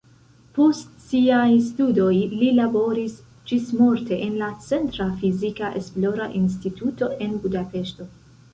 Post siaj studoj li laboris ĝismorte en la centra fizika esplora instituto en Budapeŝto.